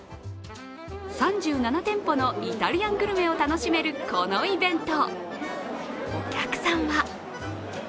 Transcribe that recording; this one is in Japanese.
３７店舗のイタリアングルメを楽しめるこのイベント。